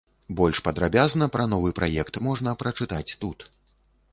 Больш падрабязна пра новы праект можна прачытаць тут.